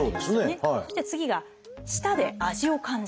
そして次が「舌で味を感じる」。